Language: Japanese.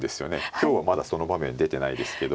今日はまだその場面出てないですけど。